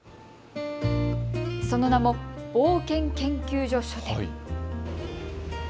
その名も冒険研究所書店。